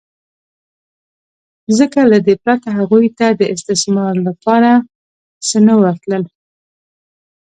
ځکه له دې پرته هغوی ته د استثمار لپاره څه نه ورتلل